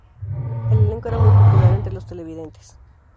El elenco era muy popular entre los televidentes.